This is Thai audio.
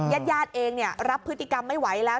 ญาติเองรับพฤติกรรมไม่ไหวแล้ว